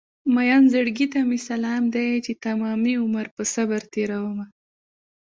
مين زړګي ته مې سلام دی چې تمامي عمر په صبر تېرومه